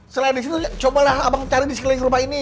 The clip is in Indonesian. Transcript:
setelah disini cobalah abang cari di sekeliling rumah ini